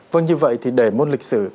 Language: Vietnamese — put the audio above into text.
vâng như vậy thì để môn lịch sử